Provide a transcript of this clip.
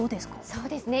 そうですね。